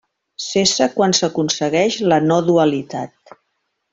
Cessa quan s'aconsegueix la no dualitat.